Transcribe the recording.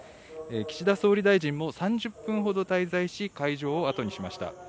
岸田総理大臣も３０分ほど滞在し、会場を後にしました。